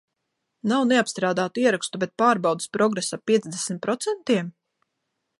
Nav neapstrādātu ierakstu, bet pārbaudes progress ap piecdesmit procentiem?